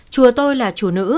chùa tôi là chùa nữ